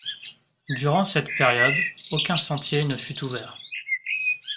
Durant cette période, aucun sentier ne fut ouvert.